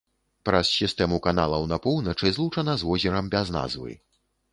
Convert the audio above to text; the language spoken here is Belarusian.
Праз сістэму каналаў на поўначы злучана з возерам без назвы.